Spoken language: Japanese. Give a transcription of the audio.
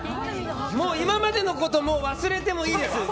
もう今までのこと忘れてもいいです！